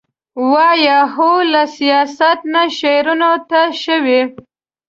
واه ! هو له سياست نه شعرونو ته شوې ،